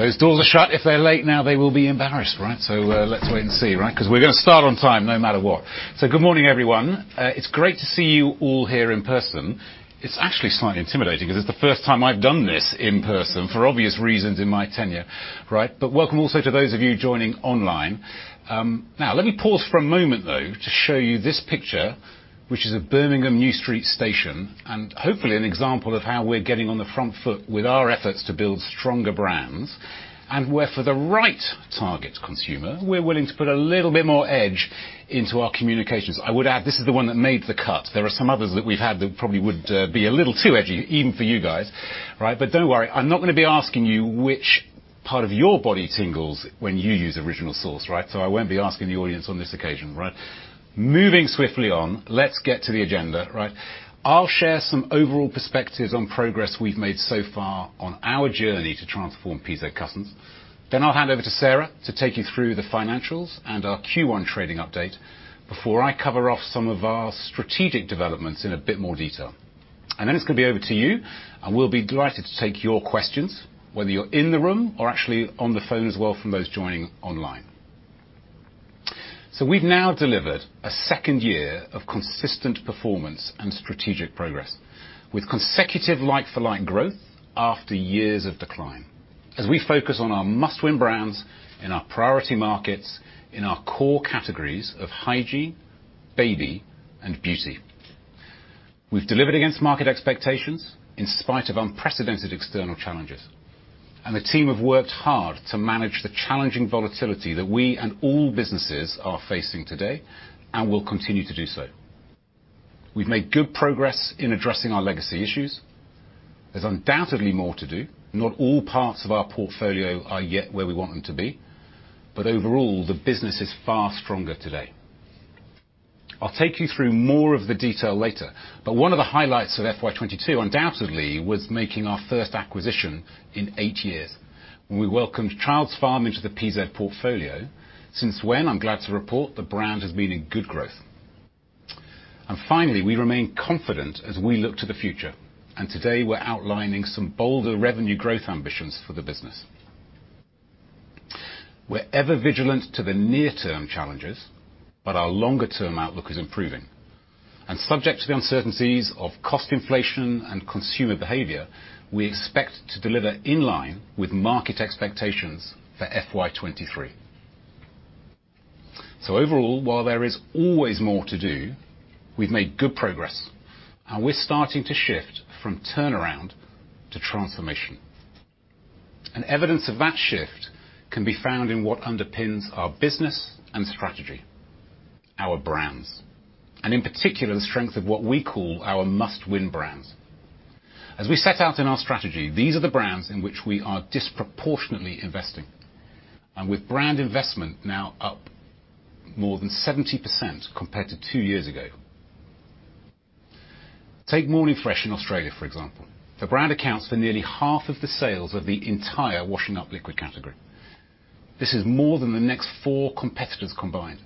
Those doors are shut. If they're late now, they will be embarrassed, right? Let's wait and see, right? 'Cause we're gonna start on time no matter what. Good morning, everyone. It's great to see you all here in person. It's actually slightly intimidating, because it's the first time I've done this in person for obvious reasons in my tenure, right? Welcome also to those of you joining online. Now, let me pause for a moment, though, to show you this picture, which is at Birmingham New Street Station, and hopefully an example of how we're getting on the front foot with our efforts to build stronger brands, and where, for the right target consumer, we're willing to put a little bit more edge into our communications. I would add, this is the one that made the cut. There are some others that we've had that probably would be a little too edgy, even for you guys, right? Don't worry, I'm not gonna be asking you which part of your body tingles when you use Original Source, right? I won't be asking the audience on this occasion, right? Moving swiftly on, let's get to the agenda, right? I'll share some overall perspectives on progress we've made so far on our journey to transform PZ Cussons. I'll hand over to Sarah to take you through the financials and our Q1 trading update before I cover off some of our strategic developments in a bit more detail. It's gonna be over to you, and we'll be delighted to take your questions, whether you're in the room or actually on the phone as well from those joining online. We've now delivered a second year of consistent performance and strategic progress, with consecutive like-for-like growth after years of decline as we focus on our must-win brands in our priority markets in our core categories of hygiene, baby, and beauty. We've delivered against market expectations in spite of unprecedented external challenges, and the team have worked hard to manage the challenging volatility that we and all businesses are facing today and will continue to do so. We've made good progress in addressing our legacy issues. There's undoubtedly more to do. Not all parts of our portfolio are yet where we want them to be, but overall, the business is far stronger today. I'll take you through more of the detail later, but one of the highlights of FY 2022 undoubtedly was making our first acquisition in eight years when we welcomed Childs Farm into the PZ portfolio. Since when, I'm glad to report, the brand has been in good growth. Finally, we remain confident as we look to the future, and today we're outlining some bolder revenue growth ambitions for the business. We're ever vigilant to the near-term challenges, but our longer-term outlook is improving. Subject to the uncertainties of cost inflation and consumer behavior, we expect to deliver in line with market expectations for FY 2023. Overall, while there is always more to do, we've made good progress, and we're starting to shift from turnaround to transformation. Evidence of that shift can be found in what underpins our business and strategy, our brands, and in particular, the strength of what we call our must-win brands. As we set out in our strategy, these are the brands in which we are disproportionately investing, and with brand investment now up more than 70% compared to two years ago. Take Morning Fresh in Australia, for example. The brand accounts for nearly half of the sales of the entire washing up liquid category. This is more than the next four competitors combined,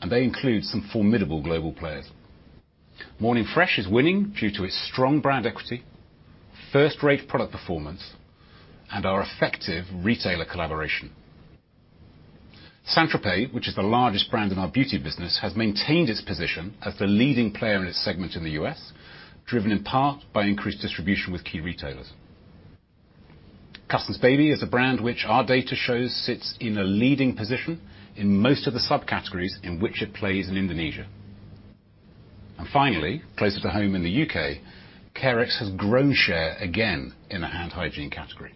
and they include some formidable global players. Morning Fresh is winning due to its strong brand equity, first-rate product performance, and our effective retailer collaboration. St. Tropez, which is the largest brand in our beauty business, has maintained its position as the leading player in its segment in the U.S., driven in part by increased distribution with key retailers. Cussons Baby is a brand which our data shows sits in a leading position in most of the subcategories in which it plays in Indonesia. Finally, closer to home in the U.K., Carex has grown share again in the hand hygiene category,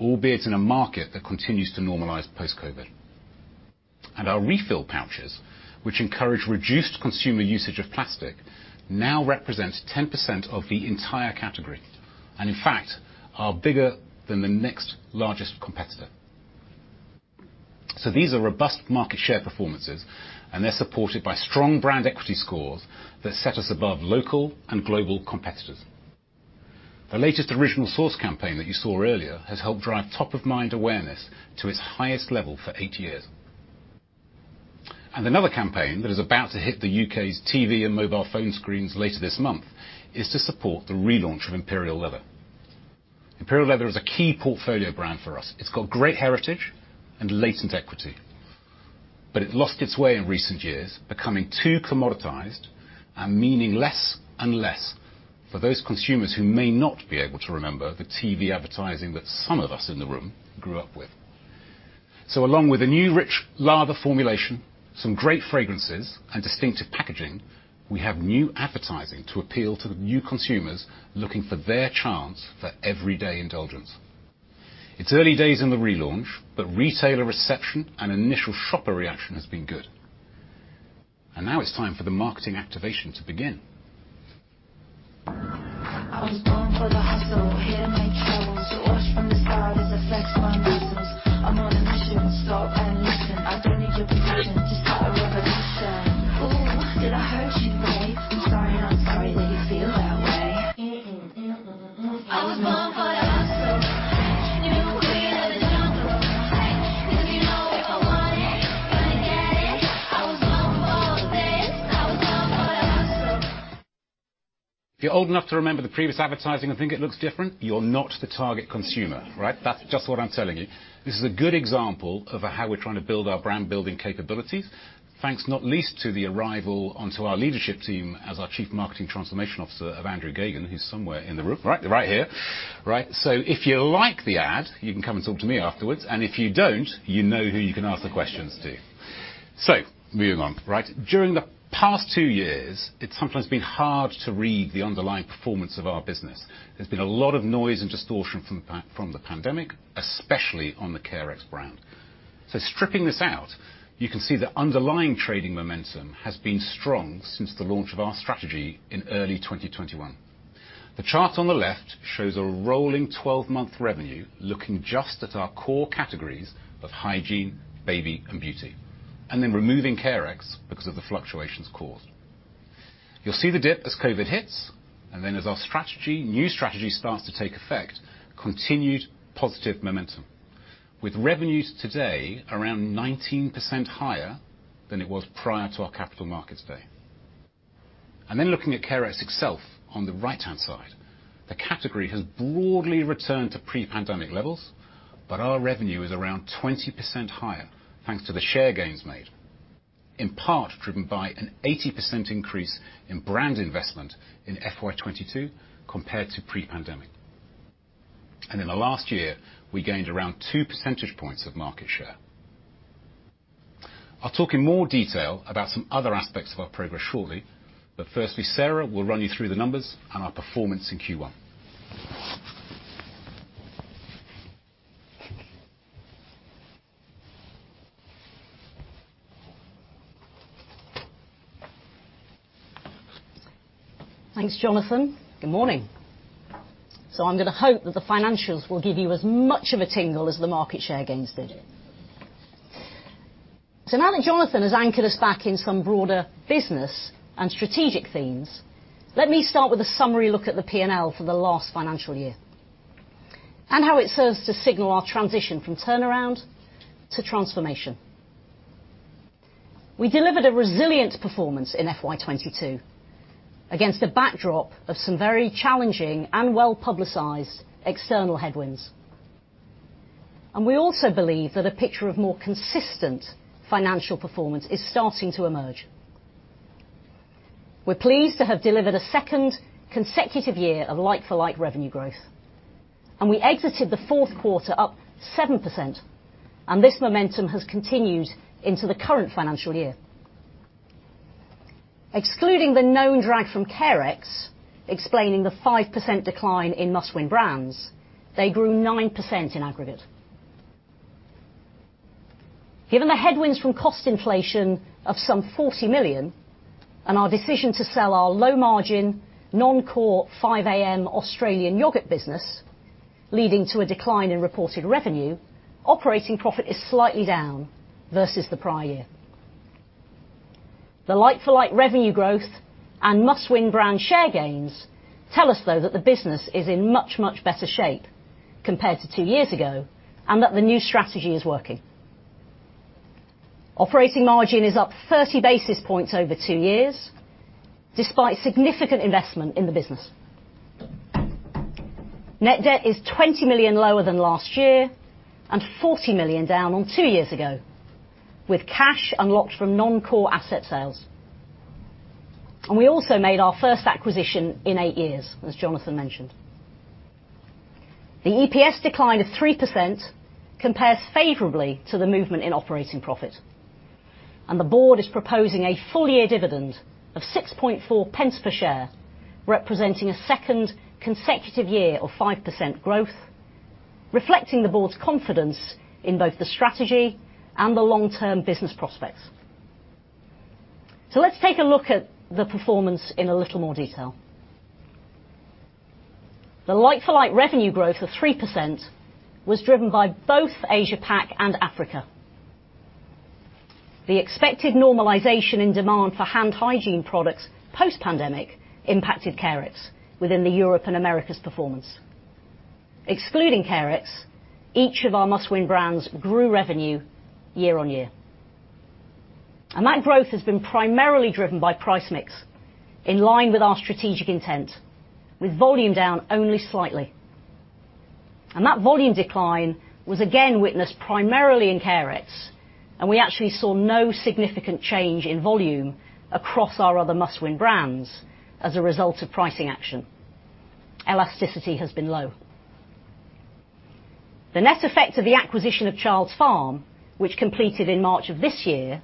albeit in a market that continues to normalize post-COVID. Our refill pouches, which encourage reduced consumer usage of plastic, now represent 10% of the entire category, and in fact, are bigger than the next largest competitor. These are robust market share performances, and they're supported by strong brand equity scores that set us above local and global competitors. The latest Original Source campaign that you saw earlier has helped drive top of mind awareness to its highest level for eight years. Another campaign that is about to hit the U.K.'s TV and mobile phone screens later this month is to support the relaunch of Imperial Leather. Imperial Leather is a key portfolio brand for us. It's got great heritage and latent equity, but it lost its way in recent years, becoming too commoditized and meaning less and less for those consumers who may not be able to remember the TV advertising that some of us in the room grew up with. Along with a new rich lather formulation, some great fragrances, and distinctive packaging, we have new advertising to appeal to the new consumers looking for their chance for everyday indulgence. It's early days in the relaunch, but retailer reception and initial shopper reaction has been good. Now it's time for the marketing activation to begin. I was born for the hustle. Here to make troubles. You watch from the side as I flex my muscles. I'm on a mission. Stop and listen. I don't need your permission. Just start a revolution. Ooh, did I hurt you, babe? I'm sorry not sorry that you feel that way. Mm, mm, mm. I was born for the hustle. If you're old enough to remember the previous advertising, and think it looks different, you're not the target consumer, right? That's just what I'm telling you. This is a good example of how we're trying to build our brand-building capabilities, thanks not least to the arrival onto our leadership team as our Chief Marketing Transformation Officer of Andrew Geoghegan, who's somewhere in the room. Right. Right here. Right. So if you like the ad, you may come up to me afterwards and if you don't, you know you can ask the questions. Moving on, right? During the past two years, it's sometimes been hard to read the underlying performance of our business. There's been a lot of noise and distortion from the pandemic, especially on the Carex brand. Stripping this out, you can see the underlying trading momentum has been strong since the launch of our strategy in early 2021. The chart on the left shows a rolling 12-month revenue, looking just at our core categories of hygiene, baby, and beauty, and then removing Carex because of the fluctuations caused. You'll see the dip as COVID hits, and then as our strategy, new strategy starts to take effect, continued positive momentum. With revenues today around 19% higher than it was prior to our Capital Markets Day. Then looking at Carex itself, on the right-hand side, the category has broadly returned to pre-pandemic levels, but our revenue is around 20% higher, thanks to the share gains made, in part driven by an 80% increase in brand investment in FY 2022 compared to pre-pandemic. In the last year, we gained around 2 percentage points of market share. I'll talk in more detail about some other aspects of our progress shortly, but firstly, Sarah will run you through the numbers and our performance in Q1. Thanks, Jonathan. Good morning. I'm gonna hope that the financials will give you as much of a tingle as the market share gains did. Now that Jonathan has anchored us back in some broader business and strategic themes, let me start with a summary look at the P&L for the last financial year, and how it serves to signal our transition from turnaround to transformation. We delivered a resilient performance in FY 2022 against a backdrop of some very challenging and well-publicized external headwinds. We also believe that a picture of more consistent financial performance is starting to emerge. We're pleased to have delivered a second consecutive year of like-for-like revenue growth, and we exited the fourth quarter up 7%, and this momentum has continued into the current financial year. Excluding the known drag from Carex, explaining the 5% decline in must-win brands, they grew 9% in aggregate. Given the headwinds from cost inflation of some 40 million and our decision to sell our low-margin, non-core five:am Australian yogurt business, leading to a decline in reported revenue, operating profit is slightly down versus the prior year. The like-for-like revenue growth and must-win brand share gains tell us, though, that the business is in much, much better shape compared to two years ago, and that the new strategy is working. Operating margin is up 30 basis points over two years, despite significant investment in the business. Net debt is 20 million lower than last year and 40 million down on two years ago, with cash unlocked from non-core asset sales. We also made our first acquisition in eight years, as Jonathan mentioned. The EPS decline of 3% compares favorably to the movement in operating profit. The board is proposing a full-year dividend of 6.4 per share, representing a second consecutive year of 5% growth, reflecting the board's confidence in both the strategy and the long-term business prospects. Let's take a look at the performance in a little more detail. The like-for-like revenue growth of 3% was driven by both Asia Pac and Africa. The expected normalization in demand for hand hygiene products post-pandemic impacted Carex within the Europe and Americas performance. Excluding Carex, each of our must-win brands grew revenue year-on-year. That growth has been primarily driven by price mix, in line with our strategic intent, with volume down only slightly. That volume decline was again witnessed primarily in Carex, and we actually saw no significant change in volume across our other must-win brands as a result of pricing action. Elasticity has been low. The net effect of the acquisition of Childs Farm, which completed in March of this year,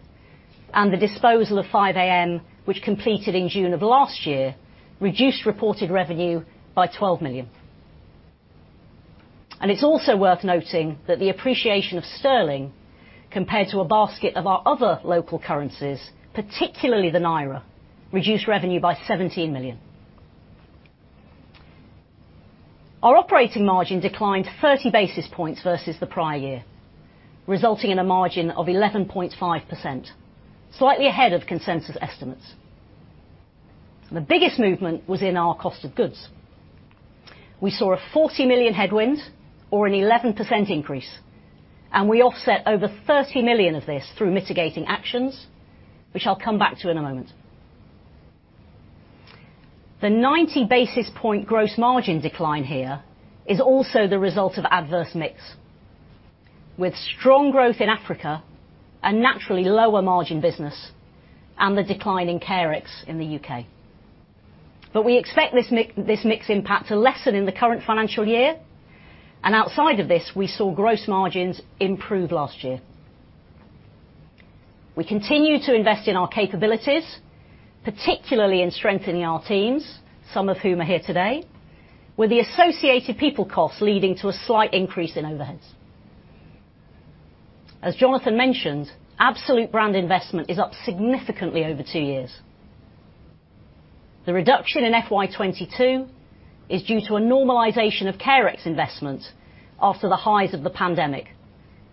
and the disposal of five:am, which completed in June of last year, reduced reported revenue by 12 million. It's also worth noting that the appreciation of sterling compared to a basket of our other local currencies, particularly the naira, reduced revenue by 17 million. Our operating margin declined 30 basis points versus the prior year, resulting in a margin of 11.5%, slightly ahead of consensus estimates. The biggest movement was in our cost of goods. We saw a 40 million headwind or an 11% increase, and we offset over 30 million of this through mitigating actions, which I'll come back to in a moment. The 90 basis points gross margin decline here is also the result of adverse mix. With strong growth in Africa, a naturally lower margin business, and the decline in Carex in the U.K. We expect this mix, this mix impact to lessen in the current financial year. Outside of this, we saw gross margins improve last year. We continue to invest in our capabilities, particularly in strengthening our teams, some of whom are here today, with the associated people costs leading to a slight increase in overheads. As Jonathan mentioned, absolute brand investment is up significantly over two years. The reduction in FY 2022 is due to a normalization of Carex investment after the highs of the pandemic.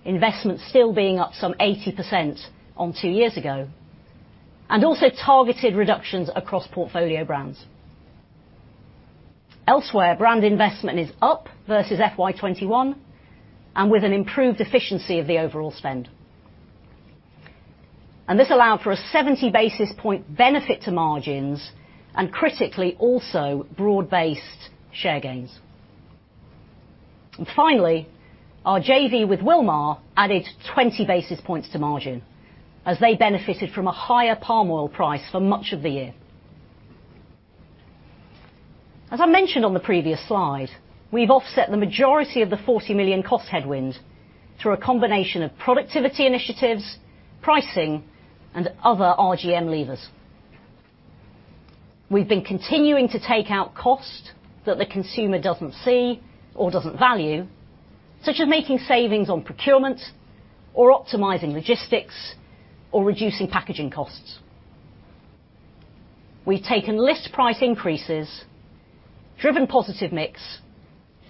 Investment still being up some 80% on two years ago, and also targeted reductions across portfolio brands. Elsewhere, brand investment is up versus FY 2021 and with an improved efficiency of the overall spend. This allowed for a 70 basis points benefit to margins and critically also broad-based share gains. Finally, our JV with Wilmar added 20 basis points to margin as they benefited from a higher palm oil price for much of the year. As I mentioned on the previous slide, we've offset the majority of the 40 million cost headwind through a combination of productivity initiatives, pricing, and other RGM levers. We've been continuing to take out cost that the consumer doesn't see or doesn't value, such as making savings on procurement or optimizing logistics or reducing packaging costs. We've taken list price increases, driven positive mix, and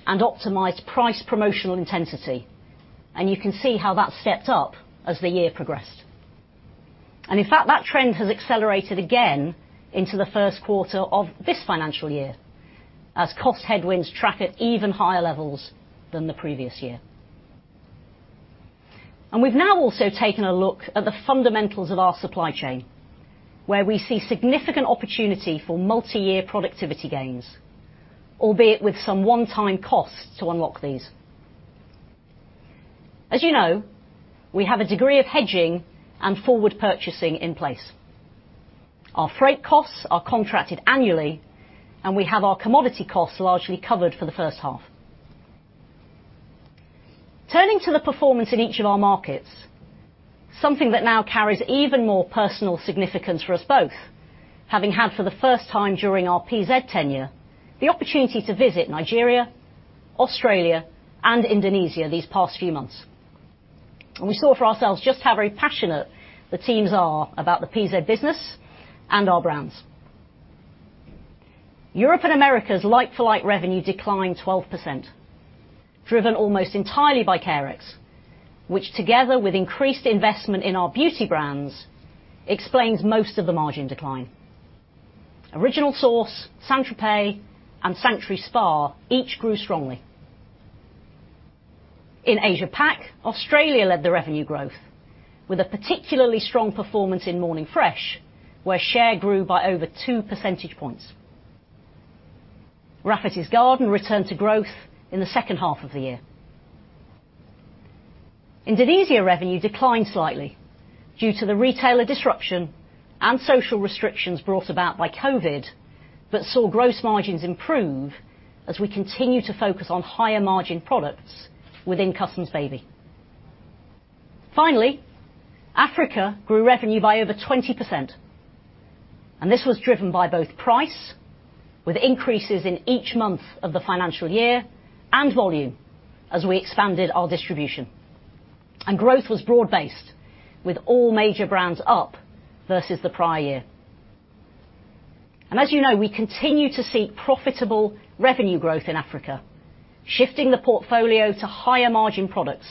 optimized price promotional intensity, and you can see how that stepped up as the year progressed. In fact, that trend has accelerated again into the first quarter of this financial year as cost headwinds track at even higher levels than the previous year. We've now also taken a look at the fundamentals of our supply chain, where we see significant opportunity for multi-year productivity gains, albeit with some one-time costs to unlock these. As you know, we have a degree of hedging and forward purchasing in place. Our freight costs are contracted annually, and we have our commodity costs largely covered for the first half. Turning to the performance in each of our markets, something that now carries even more personal significance for us both, having had for the first time during our PZ tenure the opportunity to visit Nigeria, Australia, and Indonesia these past few months. We saw for ourselves just how very passionate the teams are about the PZ business and our brands. Europe and Americas like-for-like revenue declined 12%, driven almost entirely by Carex, which together with increased investment in our beauty brands, explains most of the margin decline. Original Source, St. Tropez, and Sanctuary Spa each grew strongly. In Asia Pac, Australia led the revenue growth with a particularly strong performance in Morning Fresh, where share grew by over 2 percentage points. Rafferty's Garden returned to growth in the second half of the year. Indonesia revenue declined slightly due to the retailer disruption and social restrictions brought about by COVID that saw gross margins improve as we continue to focus on higher margin products within Cussons Baby. Finally, Africa grew revenue by over 20%, and this was driven by both price, with increases in each month of the financial year and volume as we expanded our distribution. Growth was broad-based with all major brands up versus the prior year. As you know, we continue to see profitable revenue growth in Africa. Shifting the portfolio to higher margin products.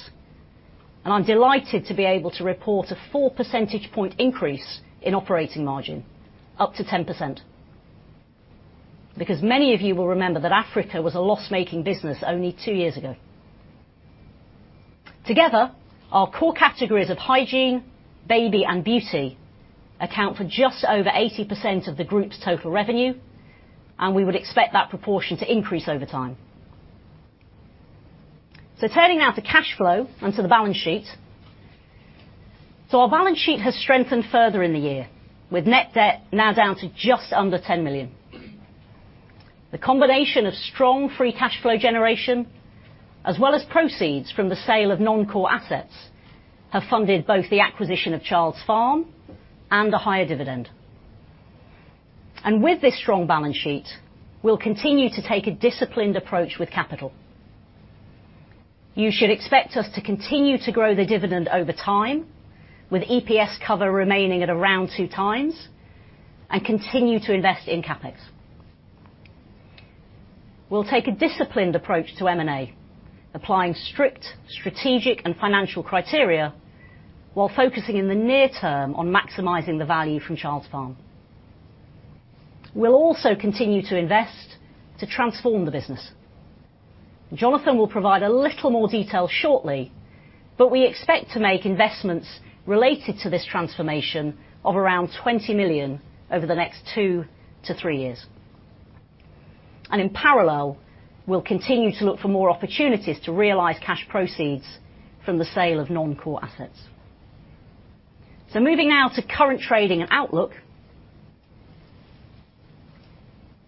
I'm delighted to be able to report a 4 percentage point increase in operating margin up to 10%. Because many of you will remember that Africa was a loss-making business only two years ago. Together, our core categories of hygiene, baby, and beauty account for just over 80% of the group's total revenue, and we would expect that proportion to increase over time. Turning now to cash flow and to the balance sheet. Our balance sheet has strengthened further in the year with net debt now down to just under 10 million. The combination of strong free cash flow generation, as well as proceeds from the sale of non-core assets, have funded both the acquisition of Childs Farm and a higher dividend. With this strong balance sheet, we'll continue to take a disciplined approach with capital. You should expect us to continue to grow the dividend over time with EPS cover remaining at around two times and continue to invest in CapEx. We'll take a disciplined approach to M&A, applying strict strategic and financial criteria. While focusing in the near term on maximizing the value from Childs Farm. We'll also continue to invest to transform the business. Jonathan will provide a little more detail shortly, but we expect to make investments related to this transformation of around 20 million over the next two to three years. In parallel, we'll continue to look for more opportunities to realize cash proceeds from the sale of non-core assets. Moving now to current trading and outlook.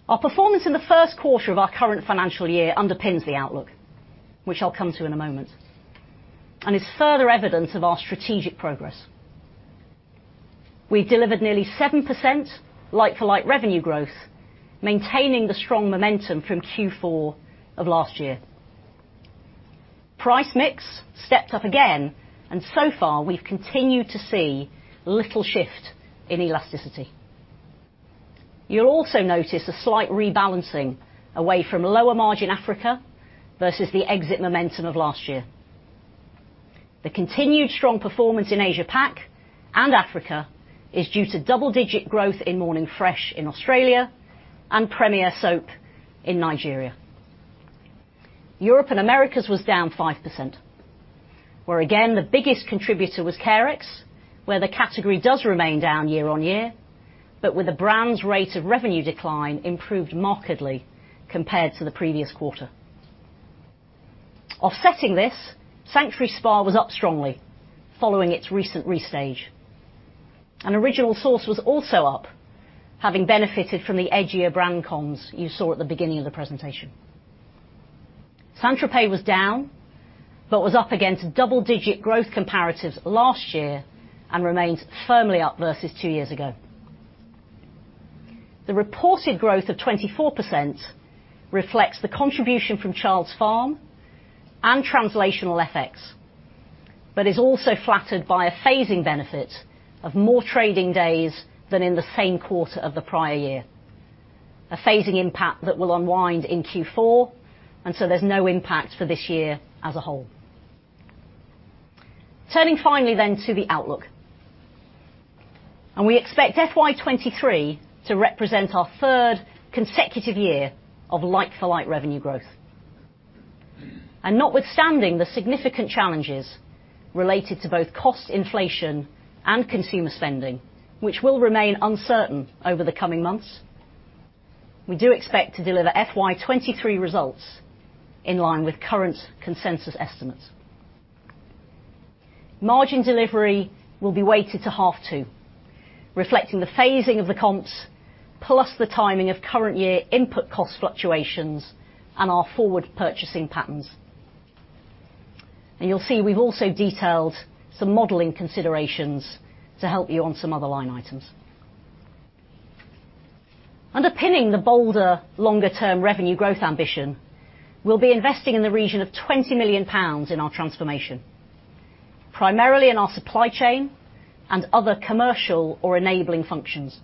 Our performance in the first quarter of our current financial year underpins the outlook, which I'll come to in a moment, and is further evidence of our strategic progress. We delivered nearly 7% like-for-like revenue growth, maintaining the strong momentum from Q4 of last year. Price mix stepped up again and so far we've continued to see little shift in elasticity. You'll also notice a slight rebalancing away from lower margin Africa versus the exit momentum of last year. The continued strong performance in Asia Pac and Africa is due to double-digit growth in Morning Fresh in Australia and Premier Soap in Nigeria. Europe and Americas was down 5%, where again the biggest contributor was Carex, where the category does remain down year-on-year, but with the brand's rate of revenue decline improved markedly compared to the previous quarter. Offsetting this, Sanctuary Spa was up strongly following its recent restage. Original Source was also up, having benefited from the edgier brand comms you saw at the beginning of the presentation. St. Tropez was down, but was up against double-digit growth comparatives last year and remains firmly up versus two years ago. The reported growth of 24% reflects the contribution from Childs Farm and translational FX, but is also flattered by a phasing benefit of more trading days than in the same quarter of the prior year. A phasing impact that will unwind in Q4, and so there's no impact for this year as a whole. Turning finally then to the outlook. We expect FY 2023 to represent our third consecutive year of like-for-like revenue growth. Notwithstanding the significant challenges related to both cost inflation and consumer spending, which will remain uncertain over the coming months, we do expect to deliver FY 2023 results in line with current consensus estimates. Margin delivery will be weighted to half two, reflecting the phasing of the comps plus the timing of current year input cost fluctuations and our forward purchasing patterns. You'll see we've also detailed some modeling considerations to help you on some other line items. Underpinning the bolder longer-term revenue growth ambition, we'll be investing in the region of 20 million pounds in our transformation, primarily in our supply chain and other commercial or enabling functions.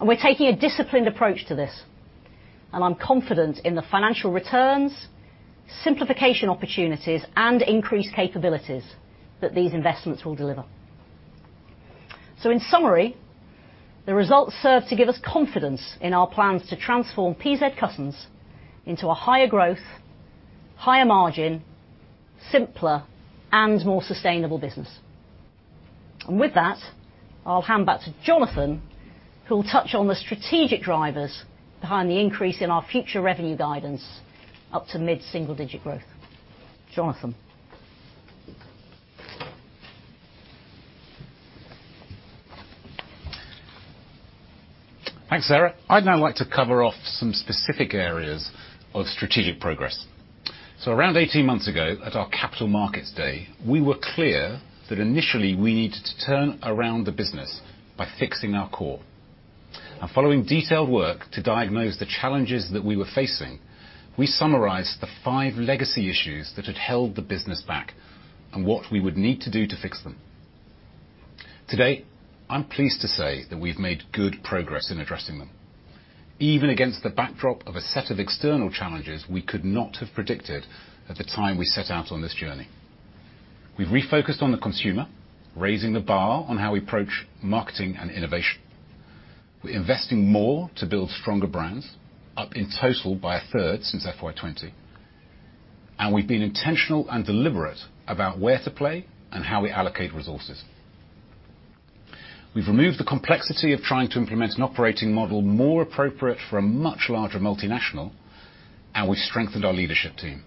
We're taking a disciplined approach to this, and I'm confident in the financial returns, simplification opportunities, and increased capabilities that these investments will deliver. In summary, the results serve to give us confidence in our plans to transform PZ Cussons into a higher growth, higher margin, simpler, and more sustainable business. With that, I'll hand back to Jonathan, who will touch on the strategic drivers behind the increase in our future revenue guidance up to mid-single digit growth. Jonathan? Thanks, Sarah. I'd now like to cover off some specific areas of strategic progress. Around 18 months ago at our Capital Markets Day, we were clear that initially we needed to turn around the business by fixing our core. Following detailed work to diagnose the challenges that we were facing, we summarized the five legacy issues that had held the business back and what we would need to do to fix them. Today, I'm pleased to say that we've made good progress in addressing them, even against the backdrop of a set of external challenges we could not have predicted at the time we set out on this journey. We've refocused on the consumer, raising the bar on how we approach marketing and innovation. We're investing more to build stronger brands, up in total by a third since FY 2020. We've been intentional and deliberate about where to play and how we allocate resources. We've removed the complexity of trying to implement an operating model more appropriate for a much larger multinational, and we strengthened our leadership team,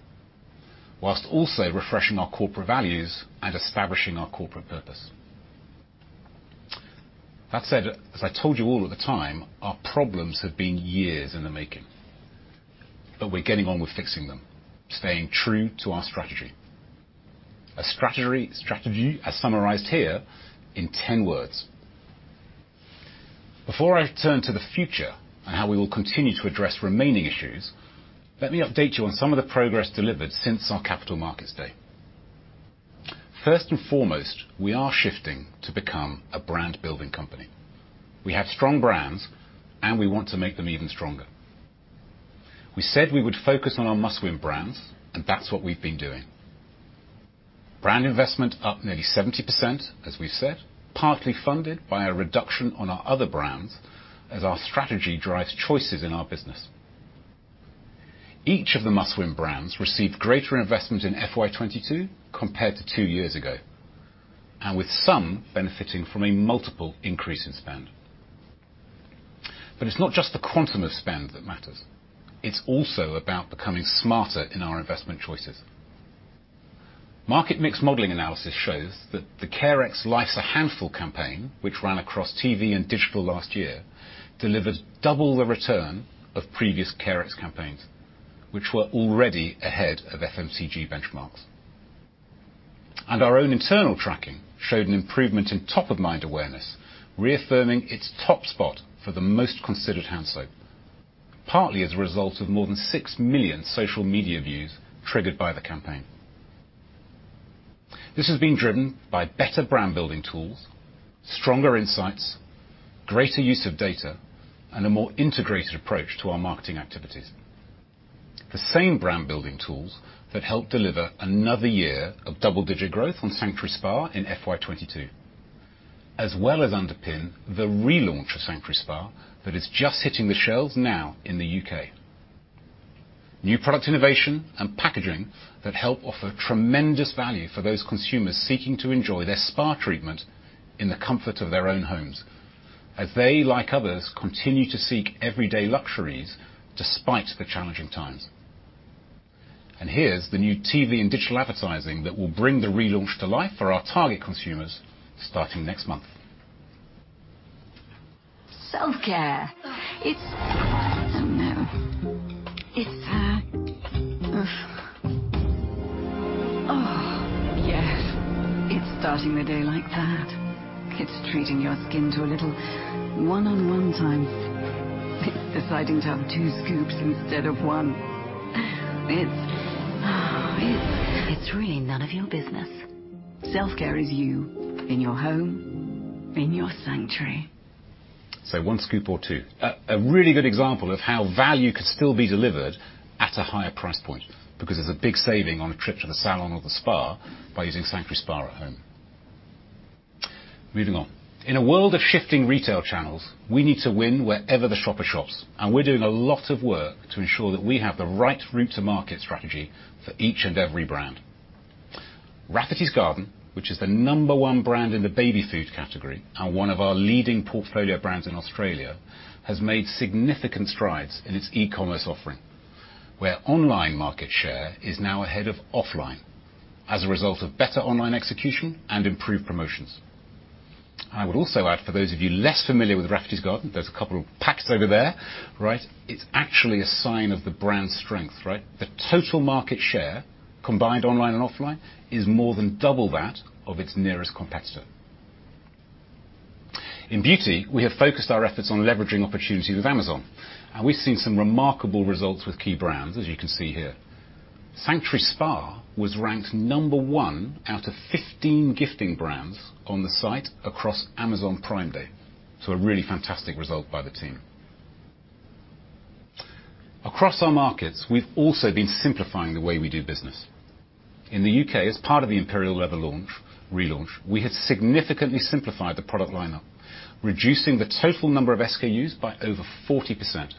while also refreshing our corporate values and establishing our corporate purpose. That said, as I told you all at the time, our problems have been years in the making, but we're getting on with fixing them, staying true to our strategy. Strategy as summarized here in ten words. Before I turn to the future and how we will continue to address remaining issues, let me update you on some of the progress delivered since our Capital Markets Day. First and foremost, we are shifting to become a brand-building company. We have strong brands and we want to make them even stronger. We said we would focus on our must-win brands, and that's what we've been doing. Brand investment up nearly 70%, as we said, partly funded by a reduction on our other brands as our strategy drives choices in our business. Each of the must-win brands received greater investment in FY 2022 compared to two years ago, and with some benefiting from a multiple increase in spend. It's not just the quantum of spend that matters, it's also about becoming smarter in our investment choices. Marketing mix modeling analysis shows that the Carex Life's a Handful campaign, which ran across TV and digital last year, delivers double the return of previous Carex campaigns, which were already ahead of FMCG benchmarks. Our own internal tracking showed an improvement in top-of-mind awareness, reaffirming its top spot for the most considered hand soap, partly as a result of more than six million social media views triggered by the campaign. This has been driven by better brand-building tools, stronger insights, greater use of data, and a more integrated approach to our marketing activities. The same brand-building tools that help deliver another year of double-digit growth on Sanctuary Spa in FY 2022, as well as underpin the relaunch of Sanctuary Spa that is just hitting the shelves now in the U.K. New product innovation and packaging that help offer tremendous value for those consumers seeking to enjoy their spa treatment in the comfort of their own homes as they, like others, continue to seek everyday luxuries despite the challenging times. Here's the new TV and digital advertising that will bring the relaunch to life for our target consumers starting next month. Self-care. Oh, no. Ugh. Oh. Yes, it's starting the day like that. It's treating your skin to a little one-on-one time. It's deciding to have two scoops instead of one. It's really none of your business. Self-care is you in your home, in your sanctuary. One scoop or two. A really good example of how value could still be delivered at a higher price point, because there's a big saving on a trip to the salon or the spa by using Sanctuary Spa at home. Moving on. In a world of shifting retail channels, we need to win wherever the shopper shops, and we're doing a lot of work to ensure that we have the right route to market strategy for each and every brand. Rafferty's Garden, which is the number one brand in the baby food category and one of our leading portfolio brands in Australia, has made significant strides in its e-commerce offering, where online market share is now ahead of offline as a result of better online execution and improved promotions. I would also add, for those of you less familiar with Rafferty's Garden, there's a couple of packs over there, right? It's actually a sign of the brand's strength. Right? The total market share, combined online and offline, is more than double that of its nearest competitor. In beauty, we have focused our efforts on leveraging opportunities with Amazon, and we've seen some remarkable results with key brands, as you can see here. Sanctuary Spa was ranked number one out of 15 gifting brands on the site across Amazon Prime Day. A really fantastic result by the team. Across our markets, we've also been simplifying the way we do business. In the U.K., as part of the Imperial Leather launch, relaunch, we have significantly simplified the product line-up, reducing the total number of SKUs by over 40%.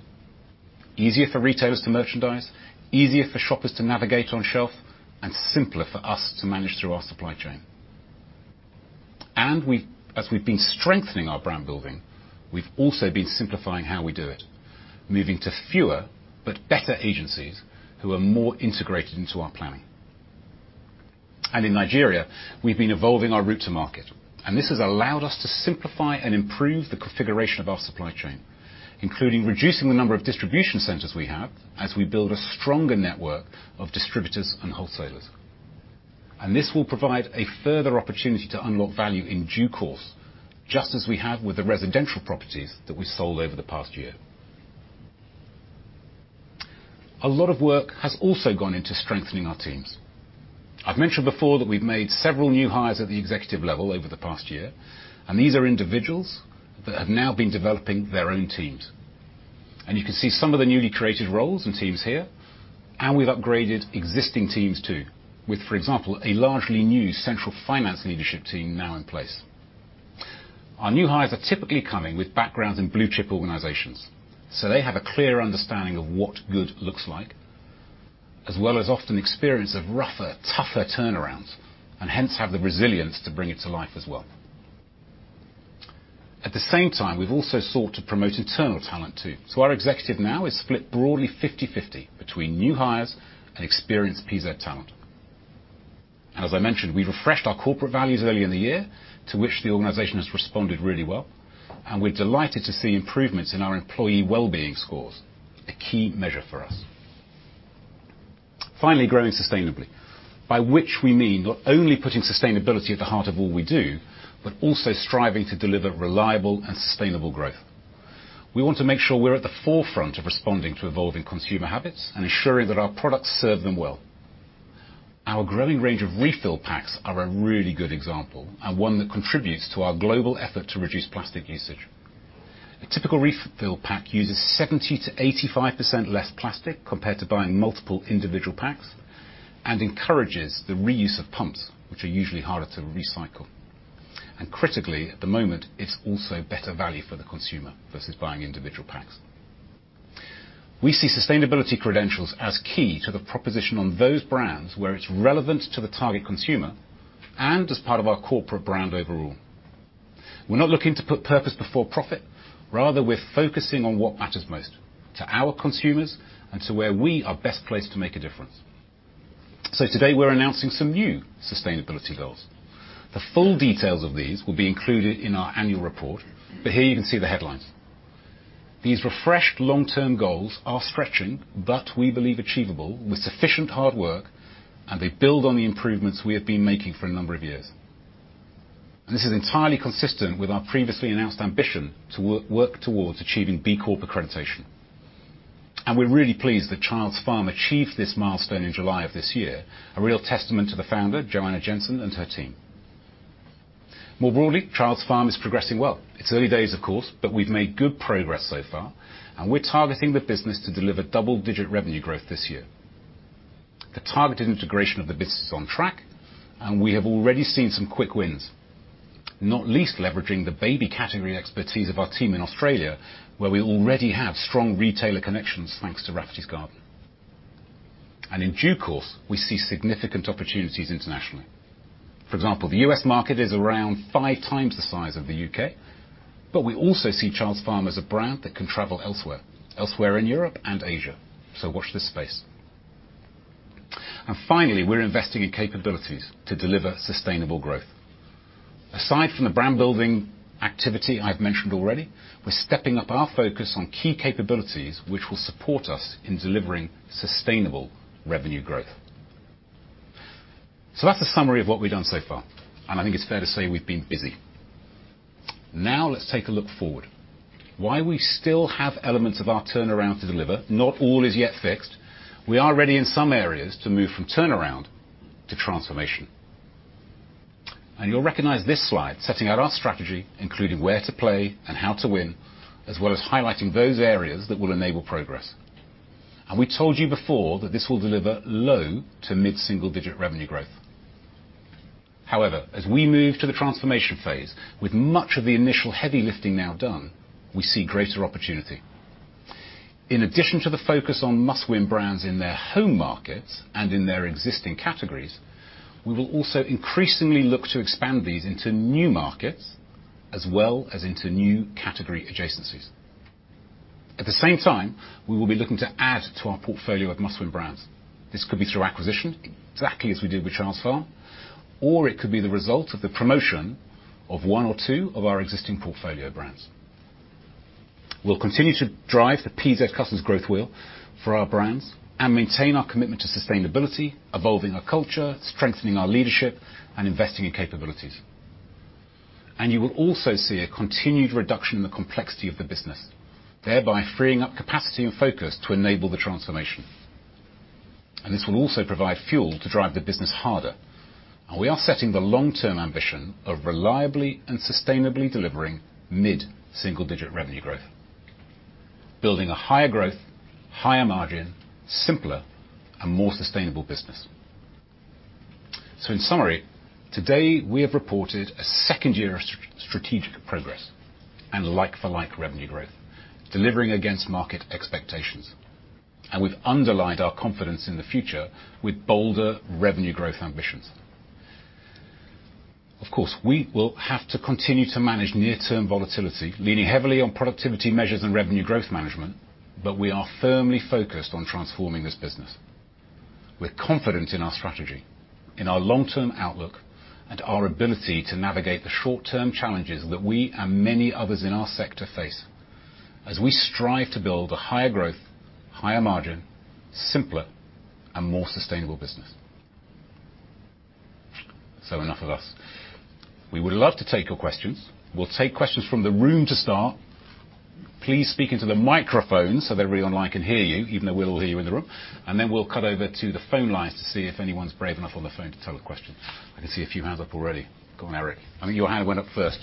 Easier for retailers to merchandise, easier for shoppers to navigate on shelf, and simpler for us to manage through our supply chain. As we've been strengthening our brand building, we've also been simplifying how we do it, moving to fewer but better agencies who are more integrated into our planning. In Nigeria, we've been evolving our route to market, and this has allowed us to simplify and improve the configuration of our supply chain, including reducing the number of distribution centers we have as we build a stronger network of distributors and wholesalers. This will provide a further opportunity to unlock value in due course, just as we have with the residential properties that we sold over the past year. A lot of work has also gone into strengthening our teams. I've mentioned before that we've made several new hires at the executive level over the past year, and these are individuals that have now been developing their own teams. You can see some of the newly created roles and teams here, and we've upgraded existing teams too, with, for example, a largely new central finance leadership team now in place. Our new hires are typically coming with backgrounds in blue chip organizations, so they have a clear understanding of what good looks like, as well as often experience of rougher, tougher turnarounds, and hence have the resilience to bring it to life as well. At the same time, we've also sought to promote internal talent too. Our executive now is split broadly 50/50 between new hires and experienced PZ talent. As I mentioned, we refreshed our corporate values earlier in the year, to which the organization has responded really well, and we're delighted to see improvements in our employee well-being scores, a key measure for us. Finally, growing sustainably, by which we mean not only putting sustainability at the heart of all we do, but also striving to deliver reliable and sustainable growth. We want to make sure we're at the forefront of responding to evolving consumer habits and ensuring that our products serve them well. Our growing range of refill packs are a really good example, and one that contributes to our global effort to reduce plastic usage. A typical refill pack uses 70%-85% less plastic compared to buying multiple individual packs, and encourages the reuse of pumps, which are usually harder to recycle. Critically, at the moment, it's also better value for the consumer versus buying individual packs. We see sustainability credentials as key to the proposition on those brands where it's relevant to the target consumer and as part of our corporate brand overall. We're not looking to put purpose before profit. Rather, we're focusing on what matters most to our consumers and to where we are best placed to make a difference. Today we're announcing some new sustainability goals. The full details of these will be included in our annual report, but here you can see the headlines. These refreshed long-term goals are stretching, but we believe achievable with sufficient hard work, and they build on the improvements we have been making for a number of years. This is entirely consistent with our previously announced ambition to work towards achieving B Corp accreditation. We're really pleased that Childs Farm achieved this milestone in July of this year. A real testament to the founder, Joanna Jensen, and her team. More broadly, Childs Farm is progressing well. It's early days, of course, but we've made good progress so far, and we're targeting the business to deliver double-digit revenue growth this year. The targeted integration of the business is on track, and we have already seen some quick wins, not least leveraging the baby category expertise of our team in Australia, where we already have strong retailer connections, thanks to Rafferty's Garden. In due course, we see significant opportunities internationally. For example, the U.S. market is around five times the size of the U.K., but we also see Childs Farm as a brand that can travel elsewhere in Europe and Asia. Watch this space. Finally, we're investing in capabilities to deliver sustainable growth. Aside from the brand-building activity I've mentioned already, we're stepping up our focus on key capabilities which will support us in delivering sustainable revenue growth. That's a summary of what we've done so far, and I think it's fair to say we've been busy. Now let's take a look forward. While we still have elements of our turnaround to deliver, not all is yet fixed, we are ready in some areas to move from turnaround to transformation. You'll recognize this slide, setting out our strategy, including where to play and how to win, as well as highlighting those areas that will enable progress. We told you before that this will deliver low to mid-single digit revenue growth. However, as we move to the transformation phase, with much of the initial heavy lifting now done, we see greater opportunity. In addition to the focus on must-win brands in their home markets and in their existing categories, we will also increasingly look to expand these into new markets as well as into new category adjacencies. At the same time, we will be looking to add to our portfolio of must-win brands. This could be through acquisition, exactly as we did with Childs Farm, or it could be the result of the promotion of one or two of our existing portfolio brands. We'll continue to drive the PZ Cussons growth wheel for our brands and maintain our commitment to sustainability, evolving our culture, strengthening our leadership, and investing in capabilities. You will also see a continued reduction in the complexity of the business, thereby freeing up capacity and focus to enable the transformation. This will also provide fuel to drive the business harder. We are setting the long-term ambition of reliably and sustainably delivering mid-single digit revenue growth, building a higher growth, higher margin, simpler and more sustainable business. In summary, today, we have reported a second year of strategic progress and like-for-like revenue growth, delivering against market expectations. We've underlined our confidence in the future with bolder revenue growth ambitions. Of course, we will have to continue to manage near-term volatility, leaning heavily on productivity measures and revenue growth management, but we are firmly focused on transforming this business. We're confident in our strategy, in our long-term outlook, and our ability to navigate the short-term challenges that we and many others in our sector face as we strive to build a higher growth, higher margin, simpler and more sustainable business. Enough of us. We would love to take your questions. We'll take questions from the room to start. Please speak into the microphone so that everyone online can hear you, even though we'll all hear you in the room, and then we'll cut over to the phone lines to see if anyone's brave enough on the phone to ask a question. I can see a few hands up already. Go on, Eric. I mean, your hand went up first.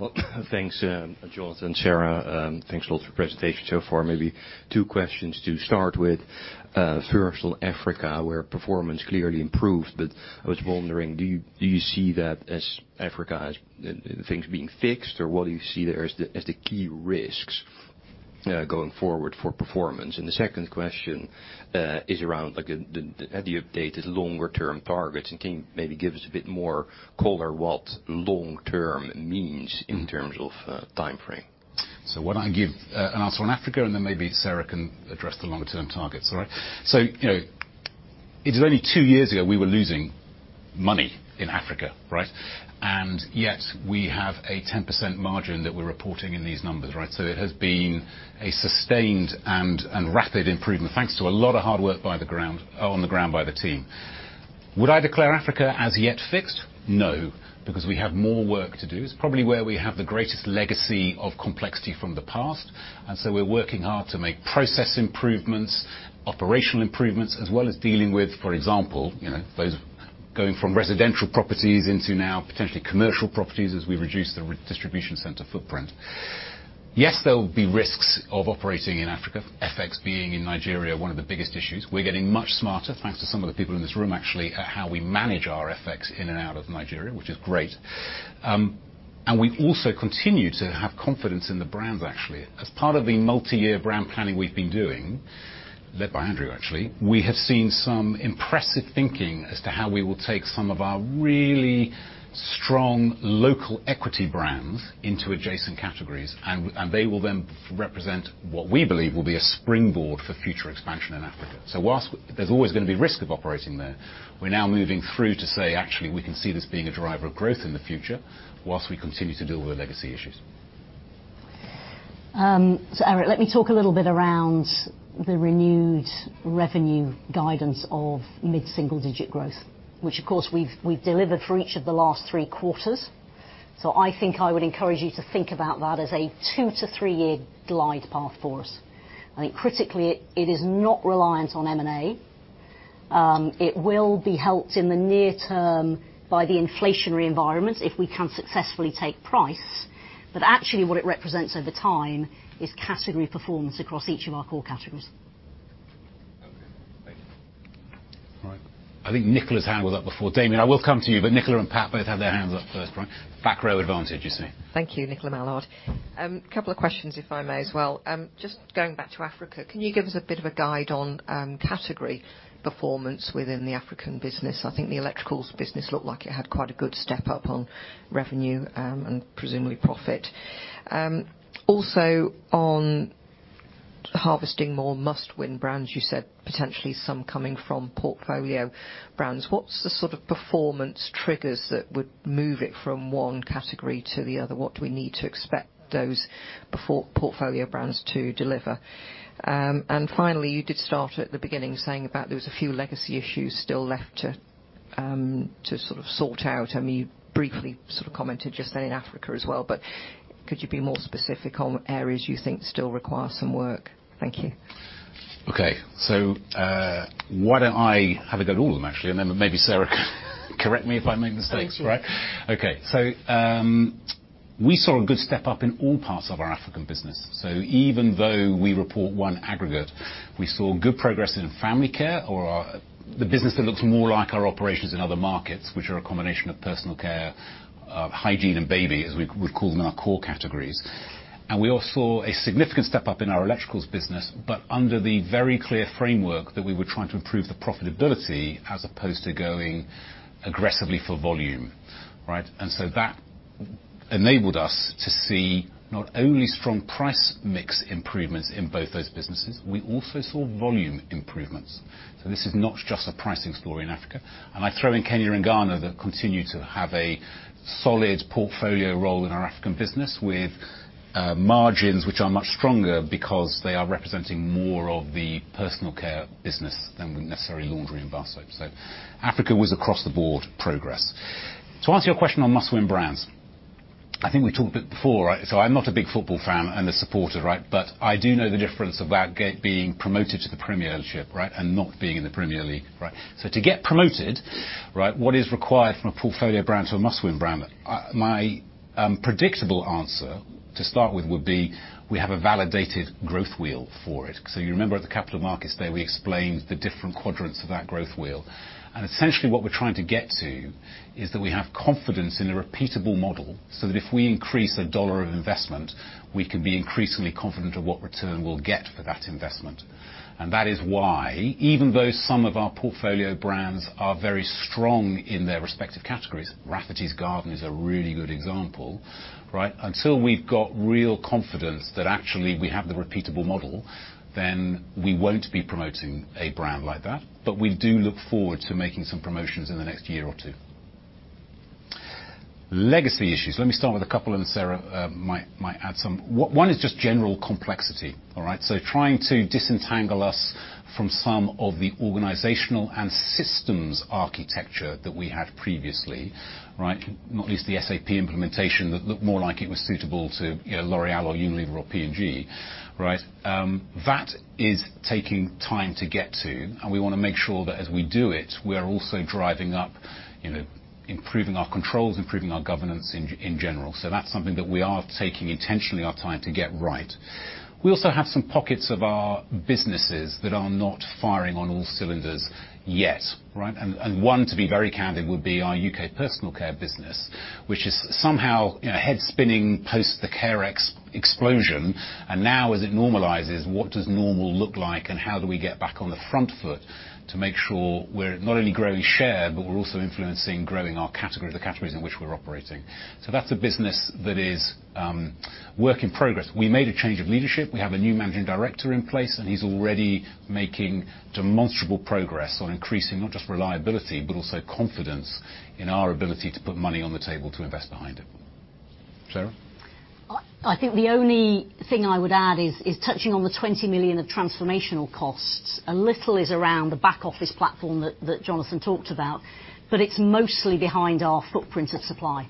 Well, thanks, Jonathan, Sarah. Thanks a lot for your presentation so far. Maybe two questions to start with. First on Africa, where performance clearly improved, but I was wondering, do you see that as Africa things being fixed? Or what do you see there as the key risks going forward for performance? The second question is around like have you updated longer term targets? And can you maybe give us a bit more color what long term means in terms of timeframe? Why don't I give an answer on Africa, and then maybe Sarah can address the longer-term targets. All right? You know, it was only two years ago, we were losing money in Africa, right? Yet we have a 10% margin that we're reporting in these numbers, right? It has been a sustained and rapid improvement thanks to a lot of hard work on the ground by the team. Would I declare Africa as yet fixed? No, because we have more work to do. It's probably where we have the greatest legacy of complexity from the past, and so we're working hard to make process improvements, operational improvements, as well as dealing with, for example, you know, those going from residential properties into now potentially commercial properties as we reduce the redistribution center footprint. Yes, there will be risks of operating in Africa. FX being in Nigeria, one of the biggest issues. We're getting much smarter, thanks to some of the people in this room, actually, at how we manage our FX in and out of Nigeria, which is great. We also continue to have confidence in the brands actually. As part of the multi-year brand planning we've been doing, led by Andrew, actually, we have seen some impressive thinking as to how we will take some of our really strong local equity brands into adjacent categories, and they will then represent what we believe will be a springboard for future expansion in Africa. While there's always gonna be risk of operating there, we're now moving through to say, "Actually, we can see this being a driver of growth in the future," while we continue to deal with the legacy issues. Eric, let me talk a little bit around the renewed revenue guidance of mid-single digit growth, which of course we've delivered for each of the last three quarters. I think I would encourage you to think about that as a two to three-year glide path for us. I think critically it is not reliant on M&A. It will be helped in the near term by the inflationary environment if we can successfully take price, but actually what it represents over time is category performance across each of our core categories. Okay. Thank you. All right. I think Nicola's hand was up before. Damian, I will come to you, but Nicola and Pat both have their hands up first. Back row advantage, you see. Thank you. Nicola Mallard. Couple of questions, if I may as well. Just going back to Africa, can you give us a bit of a guide on category performance within the African business? I think the electricals business looked like it had quite a good step up on revenue, and presumably profit. Also on harvesting more must-win brands, you said potentially some coming from portfolio brands. What's the sort of performance triggers that would move it from one category to the other? What do we need to expect those before portfolio brands to deliver? And finally, you did start at the beginning saying about there was a few legacy issues still left to sort of sort out, and you briefly sort of commented just then Africa as well. Could you be more specific on areas you think still require some work? Thank you. Okay. Why don't I have a go at all of them actually, and then maybe Sarah can correct me if I make mistakes. Thanks. Right? Okay. We saw a good step up in all parts of our African business. Even though we report one aggregate, we saw good progress in family care or the business that looks more like our operations in other markets, which are a combination of personal care, hygiene and baby, as we'd call them our core categories. We all saw a significant step up in our electricals business, but under the very clear framework that we were trying to improve the profitability as opposed to going aggressively for volume, right? That enabled us to see not only strong price mix improvements in both those businesses, we also saw volume improvements. This is not just a pricing story in Africa. I throw in Kenya and Ghana that continue to have a solid portfolio role in our African business with, margins which are much stronger because they are representing more of the personal care business than necessary laundry and bar soap. Africa was across the board progress. To answer your question on must-win brands, I think we talked a bit before, right? I'm not a big football fan and a supporter, right? But I do know the difference of being promoted to the Premiership, right, and not being in the Premier League, right? To get promoted, right, what is required from a portfolio brand to a must-win brand? My predictable answer to start with would be we have a validated growth wheel for it. You remember at the Capital Markets Day, we explained the different quadrants of that growth wheel. Essentially what we're trying to get to is that we have confidence in a repeatable model, so that if we increase a dollar of investment, we can be increasingly confident of what return we'll get for that investment. That is why even though some of our portfolio brands are very strong in their respective categories, Rafferty's Garden is a really good example, right? Until we've got real confidence that actually we have the repeatable model, then we won't be promoting a brand like that. We do look forward to making some promotions in the next year or two. Legacy issues. Let me start with a couple of them, Sarah, might add some. One is just general complexity, all right? Trying to disentangle us from some of the organizational and systems architecture that we had previously, right? Not least the SAP implementation that looked more like it was suitable to, you know, L'Oréal or Unilever or P&G, right? That is taking time to get to, and we wanna make sure that as we do it, we are also driving up, you know, improving our controls, improving our governance in general. That's something that we are taking intentionally our time to get right. We also have some pockets of our businesses that are not firing on all cylinders yet, right? One, to be very candid, would be our U.K. personal care business, which is somehow, you know, head spinning post the Carex explosion. Now as it normalizes, what does normal look like and how do we get back on the front foot to make sure we're not only growing share, but we're also influencing growing our category, the categories in which we're operating. That's a business that is work in progress. We made a change of leadership. We have a new managing director in place, and he's already making demonstrable progress on increasing not just reliability, but also confidence in our ability to put money on the table to invest behind it. Sarah? I think the only thing I would add is touching on the 20 million of transformational costs. A little is around the back office platform that Jonathan talked about, but it's mostly behind our footprint of supply.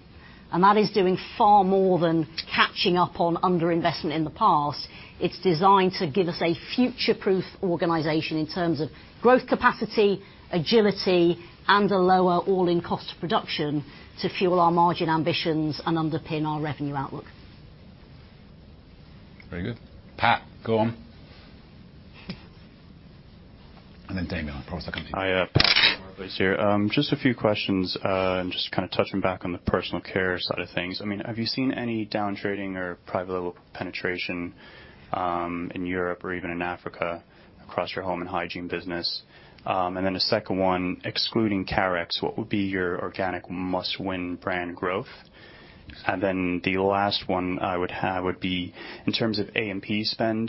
That is doing far more than catching up on under-investment in the past. It's designed to give us a future-proof organization in terms of growth capacity, agility, and a lower all-in cost of production to fuel our margin ambitions and underpin our revenue outlook. Very good. Pat, go on. Damian, of course, can continue. Hi. Pat here. Just a few questions, just kinda touching back on the personal care side of things. I mean, have you seen any down trading or private label penetration in Europe or even in Africa across your home and hygiene business? A second one, excluding Carex, what would be your organic must-win brand growth? The last one I would have would be in terms of A&P spend,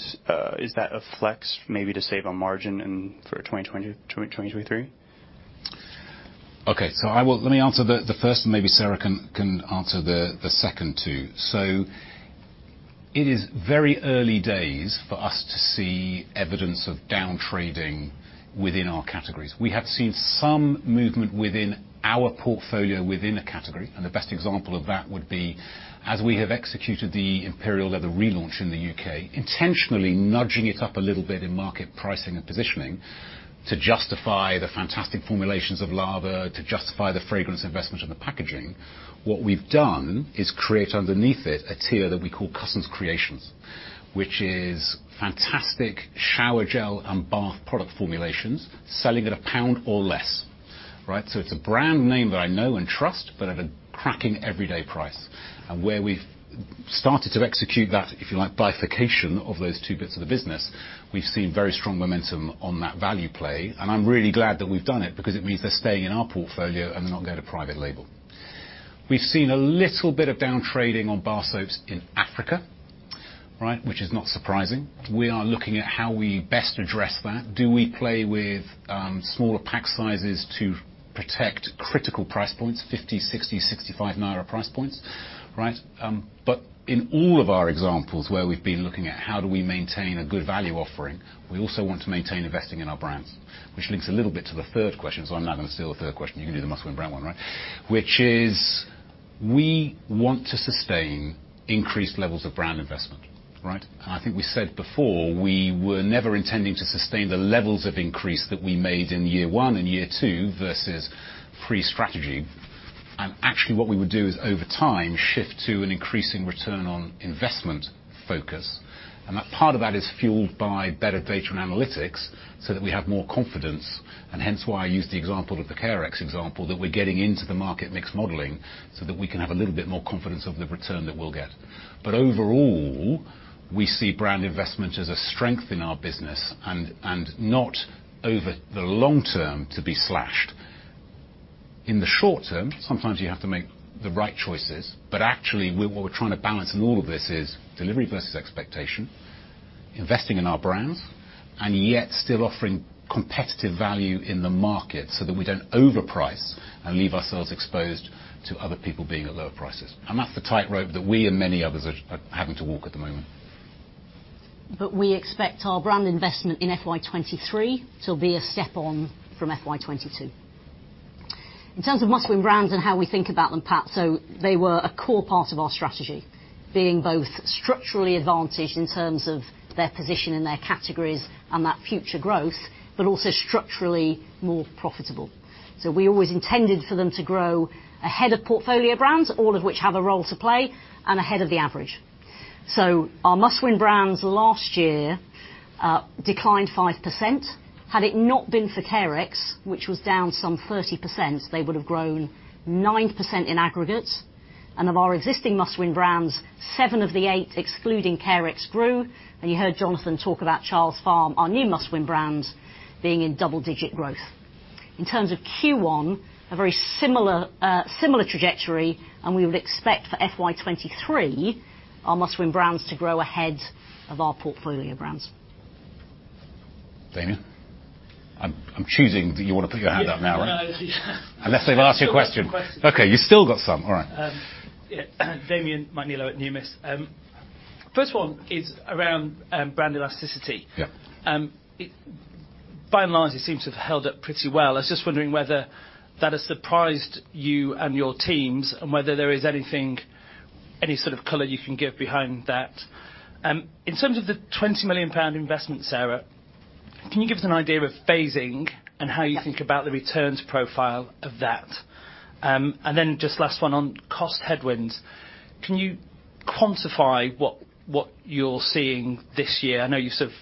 is that a flex maybe to save on margin in 2020, 2023? Let me answer the first and maybe Sarah can answer the second two. It is very early days for us to see evidence of down trading within our categories. We have seen some movement within our portfolio within a category, and the best example of that would be as we have executed the Imperial Leather relaunch in the U.K., intentionally nudging it up a little bit in market pricing and positioning to justify the fantastic formulations of lather, to justify the fragrance investment in the packaging. What we've done is create underneath it a tier that we call Cussons Creations, which is fantastic shower gel and bath product formulations selling at GBP 1 or less. Right? It's a brand name that I know and trust, but at a cracking everyday price. Where we've started to execute that, if you like, bifurcation of those two bits of the business, we've seen very strong momentum on that value play, and I'm really glad that we've done it because it means they're staying in our portfolio and they're not going to private label. We've seen a little bit of down trading on bar soaps in Africa, right? Which is not surprising. We are looking at how we best address that. Do we play with smaller pack sizes to protect critical price points, 50, 60, 65 naira price points, right? But in all of our examples where we've been looking at how do we maintain a good value offering, we also want to maintain investing in our brands, which links a little bit to the third question, so I'm now gonna steal the third question. You can do the must-win brand one, right? Which is we want to sustain increased levels of brand investment, right? I think we said before, we were never intending to sustain the levels of increase that we made in year one and year two versus pre-strategy. Actually what we would do is over time shift to an increasing return on investment focus, and that part of that is fueled by better data and analytics so that we have more confidence, and hence why I use the example of the Carex example, that we're getting into the marketing mix modeling so that we can have a little bit more confidence of the return that we'll get. Overall, we see brand investment as a strength in our business and not over the long term to be slashed. In the short term, sometimes you have to make the right choices, but actually what we're trying to balance in all of this is delivery versus expectation, investing in our brands, and yet still offering competitive value in the market so that we don't overprice and leave ourselves exposed to other people being at lower prices. That's the tightrope that we and many others are having to walk at the moment. We expect our brand investment in FY 2023 to be a step on from FY 2022. In terms of must-win brands and how we think about them, Pat, they were a core part of our strategy, being both structurally advantaged in terms of their position in their categories and that future growth, but also structurally more profitable. We always intended for them to grow ahead of portfolio brands, all of which have a role to play, and ahead of the average. Our must-win brands last year declined 5%. Had it not been for Carex, which was down some 30%, they would have grown 9% in aggregate. Of our existing must-win brands, seven of the eight excluding Carex grew. You heard Jonathan talk about Childs Farm, our new must-win brand, being in double-digit growth. In terms of Q1, a very similar trajectory, and we would expect for FY 2023 our must-win brands to grow ahead of our portfolio brands. Damian? I'm choosing. Do you wanna put your hand up now? Yeah. No. Unless they've asked you a question. Still got questions. Okay, you still got some. All right. Yeah. Damian McNeela at Numis. First one is around brand elasticity. Yeah. It by and large seems to have held up pretty well. I was just wondering whether that has surprised you and your teams, and whether there is anything, any sort of color you can give behind that. In terms of the 20 million pound investment, Sarah, can you give us an idea of phasing and how you think about the returns profile of that? Then just last one on cost headwinds. Can you quantify what you're seeing this year? I know you sort of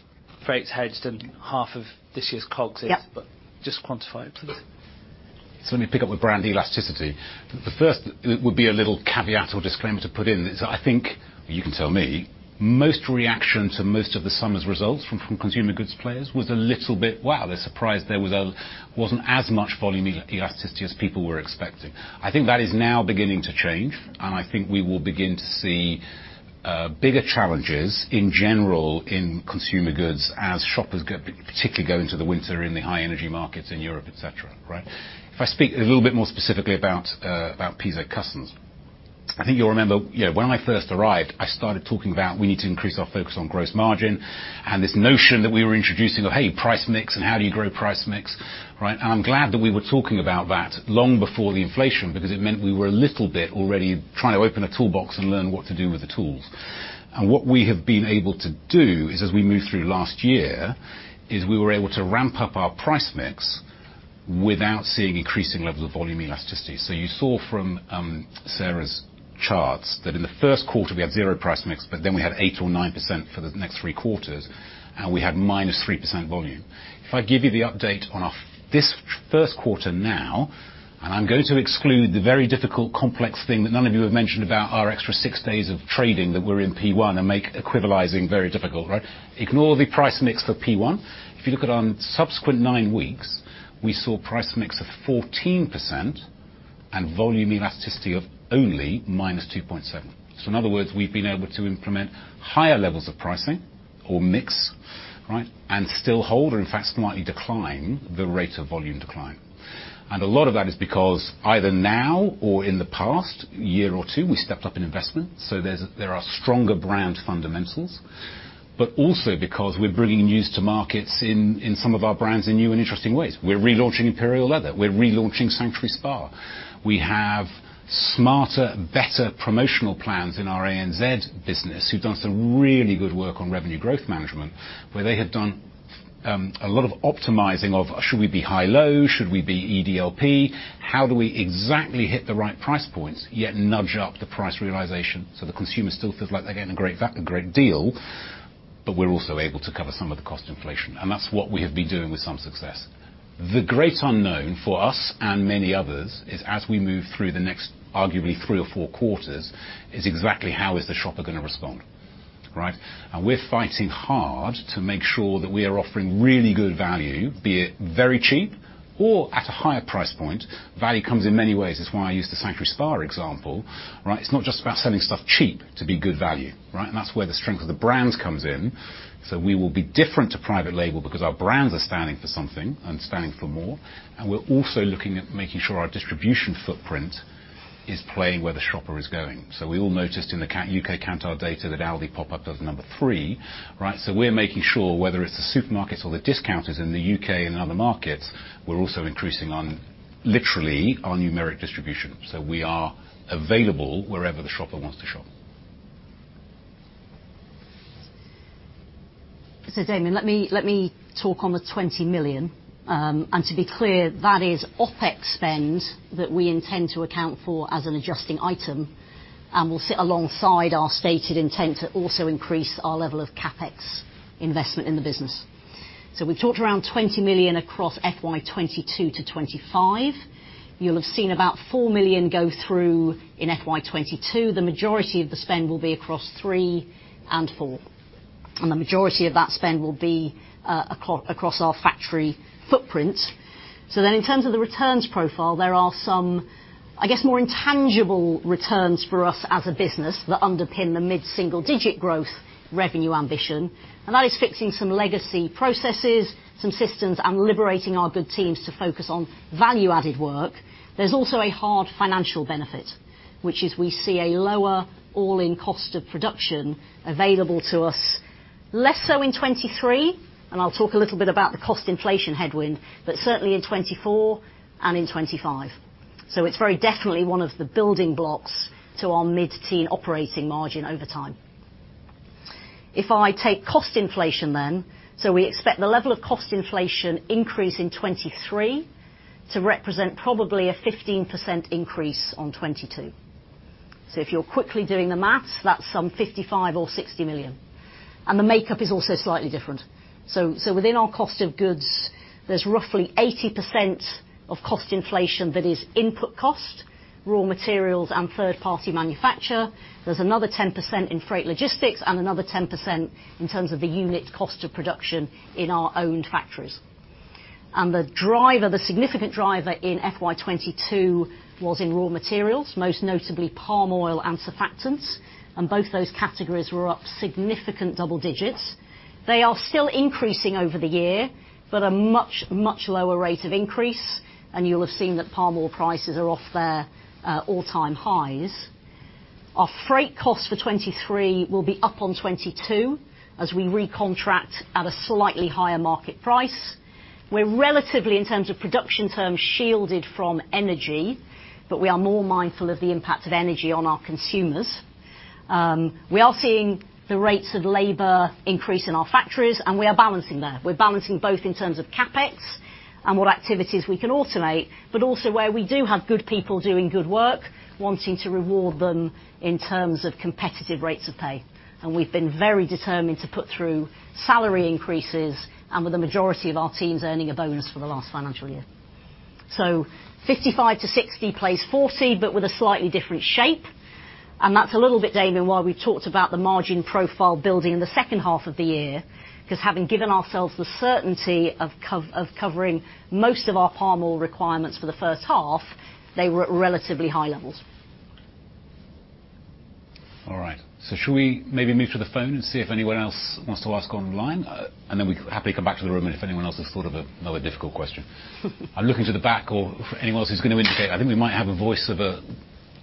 freight's hedged and half of this year's COGS is- Yeah. Just quantify it please. Let me pick up with brand elasticity. The first would be a little caveat or disclaimer to put in is I think, you can tell me, most reactions and most of the summer's results from consumer goods players was a little bit, wow, they're surprised there wasn't as much volume elasticity as people were expecting. I think that is now beginning to change, and I think we will begin to see bigger challenges in general in consumer goods as shoppers, particularly, go into the winter in the high energy markets in Europe, etc., right? If I speak a little bit more specifically about PZ Cussons. I think you'll remember, you know, when I first arrived, I started talking about we need to increase our focus on gross margin and this notion that we were introducing of, hey, price mix and how do you grow price mix, right? I'm glad that we were talking about that long before the inflation because it meant we were a little bit already trying to open a toolbox and learn what to do with the tools. What we have been able to do is, as we moved through last year, is we were able to ramp up our price mix without seeing increasing levels of volume elasticity. You saw from Sarah's charts that in the first quarter we had zero price mix, but then we had 8% or 9% for the next three quarters, and we had -3% volume. If I give you the update on our first quarter now, and I'm going to exclude the very difficult, complex thing that none of you have mentioned about our extra six days of trading that were in P1 and make equalizing very difficult, right? Ignore the price mix for P1. If you look at on subsequent nine weeks, we saw price mix of 14% and volume elasticity of only -2.7%. In other words, we've been able to implement higher levels of pricing or mix, right, and still hold or in fact slightly decline the rate of volume decline. A lot of that is because either now or in the past year or two we stepped up in investment. There are stronger brand fundamentals, but also because we're bringing news to markets in some of our brands in new and interesting ways. We're relaunching Imperial Leather. We're relaunching Sanctuary Spa. We have smarter, better promotional plans in our ANZ business who've done some really good work on revenue growth management, where they have done a lot of optimizing of should we be high-low, should we be EDLP, how do we exactly hit the right price points yet nudge up the price realization so the consumer still feels like they're getting a great deal, but we're also able to cover some of the cost inflation. That's what we have been doing with some success. The great unknown for us and many others is as we move through the next arguably three or four quarters is exactly how is the shopper gonna respond, right? We're fighting hard to make sure that we are offering really good value, be it very cheap or at a higher price point. Value comes in many ways. It's why I used the Sanctuary Spa example, right? It's not just about selling stuff cheap to be good value, right? That's where the strength of the brands comes in. We will be different to private label because our brands are standing for something and standing for more. We're also looking at making sure our distribution footprint is playing where the shopper is going. We all noticed in the U.K. Kantar data that Aldi popped up does number three, right? We're making sure whether it's the supermarkets or the discounters in the U.K. and other markets, we're also increasing on literally our numeric distribution. We are available wherever the shopper wants to shop. Damian, let me talk on the 20 million. To be clear, that is OpEx spend that we intend to account for as an adjusting item and will sit alongside our stated intent to also increase our level of CapEx investment in the business. We've talked around 20 million across FY 2022 to 2025. You'll have seen about 4 million go through in FY 2022. The majority of the spend will be across three and four, and the majority of that spend will be across our factory footprint. In terms of the returns profile, there are some, I guess, more intangible returns for us as a business that underpin the mid-single digit growth revenue ambition, and that is fixing some legacy processes, some systems, and liberating our good teams to focus on value-added work. There's also a hard financial benefit, which is we see a lower all-in cost of production available to us, less so in 2023, and I'll talk a little bit about the cost inflation headwind, but certainly in 2024 and in 2025. It's very definitely one of the building blocks to our mid-teen operating margin over time. If I take cost inflation then, we expect the level of cost inflation increase in 2023 to represent probably a 15% increase on 2022. If you're quickly doing the math, that's some 55 million or 60 million. The makeup is also slightly different. Within our cost of goods, there's roughly 80% of cost inflation that is input cost, raw materials, and third-party manufacture. There's another 10% in freight logistics and another 10% in terms of the unit cost of production in our own factories. The driver, the significant driver in FY 2022 was in raw materials, most notably palm oil and surfactants, and both those categories were up significant double digits. They are still increasing over the year, but a much, much lower rate of increase, and you'll have seen that palm oil prices are off their all-time highs. Our freight cost for 2023 will be up on 2022 as we recontract at a slightly higher market price. We're relatively, in terms of production terms, shielded from energy, but we are more mindful of the impact of energy on our consumers. We are seeing the rates of labor increase in our factories, and we are balancing that. We're balancing both in terms of CapEx and what activities we can automate, but also where we do have good people doing good work, wanting to reward them in terms of competitive rates of pay. We've been very determined to put through salary increases and with the majority of our teams earning a bonus for the last financial year. 55-60 plays 40, but with a slightly different shape. That's a little bit, Damian, why we talked about the margin profile building in the second half of the year, 'cause having given ourselves the certainty of covering most of our palm oil requirements for the first half, they were at relatively high levels. All right. Should we maybe move to the phone and see if anyone else wants to ask online? We can happily come back to the room, and if anyone else has thought of another difficult question. I'm looking to the back, or for anyone else who's gonna indicate. I think we might have a voice of a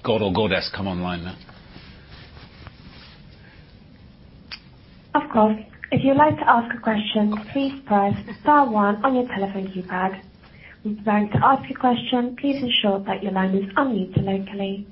god or goddess come online now. Of course. If you'd like to ask a question, please press star one on your telephone keypad. When preparing to ask your question, please ensure that your line is unmuted locally.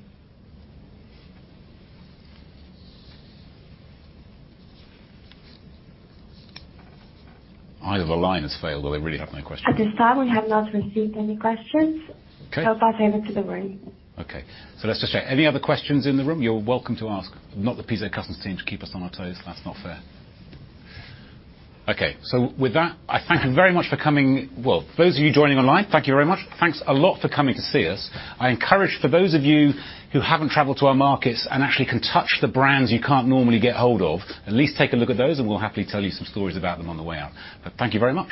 Either the line has failed or they really have no question. At this time, we have not received any questions. Okay. I'll pass over to the room. Okay. Let's just check. Any other questions in the room? You're welcome to ask. Not the PZ Cussons team to keep us on our toes. That's not fair. Okay. With that, I thank you very much for coming. Well, those of you joining online, thank you very much. Thanks a lot for coming to see us. I encourage for those of you who haven't traveled to our markets and actually can touch the brands you can't normally get hold of, at least take a look at those, and we'll happily tell you some stories about them on the way out. Thank you very much.